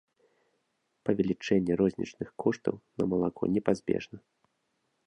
Павелічэнне рознічных коштаў на малако непазбежна.